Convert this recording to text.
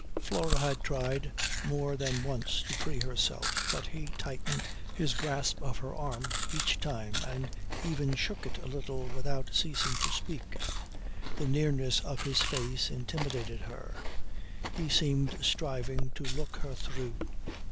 Flora had tried more than once to free herself, but he tightened his grasp of her arm each time and even shook it a little without ceasing to speak. The nearness of his face intimidated her. He seemed striving to look her through.